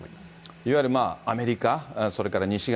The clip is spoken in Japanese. いわゆるアメリカ、それから西側、